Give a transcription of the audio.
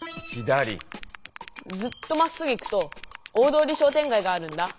ずっとまっすぐ行くと大通りしょうてんがいがあるんだ。